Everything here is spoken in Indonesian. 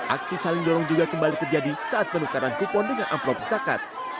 aksi saling dorong juga kembali terjadi saat penukaran kupon dengan amplop zakat